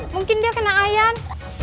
mungkin dia kena ayan